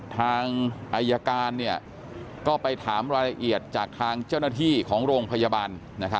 ทางอายการก็ไปถามรายละเอียดจากทางเจ้าหน้าที่ของโรงพยาบาล